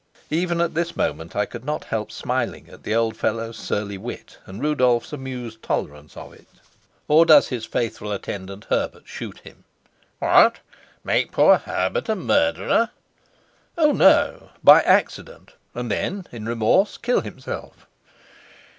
Even at this moment I could not help smiling at the old fellow's surly wit and Rudolf's amused tolerance of it. "Or does his faithful attendant, Herbert, shoot him?" "What, make poor Herbert a murderer!" "Oh, no! By accident and then, in remorse, kill himself."